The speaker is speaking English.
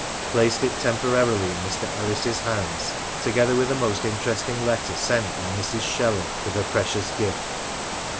placed it temporarily in Mr. Ellis's hands, together with a most interesting letter sent by Mrs. Shelley with her precious gift.